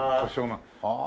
ああ。